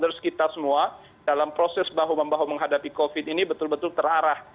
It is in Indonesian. dan juga pemerintah pemerintah kita semua dalam proses bahu membahu menghadapi covid sembilan belas ini betul betul terarah